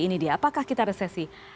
ini dia apakah kita resesi